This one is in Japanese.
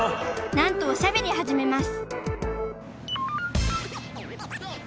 なんとおしゃべりはじめます